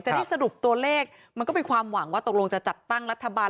ได้สรุปตัวเลขมันก็เป็นความหวังว่าตกลงจะจัดตั้งรัฐบาล